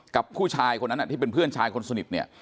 กับผู้ชายคนนั้นที่เป็นเพื่อนชายคนสนิทเนี่ย